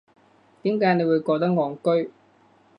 點解你會覺得戇居